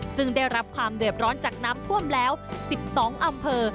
ซึ่งได้รับความเดือดร้อนจากน้ำท่วมแล้ว๑๒อำเภอ